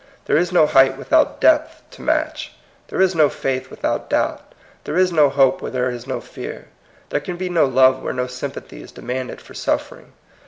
There is no height without depth to match, there is no faith without doubt, there is no hope where there is no fear, there can be no love where no sympathy is demanded for suffering.